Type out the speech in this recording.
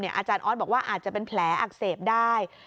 อาจารย์ออสบอกว่าอาจจะเป็นแผลอักเสบได้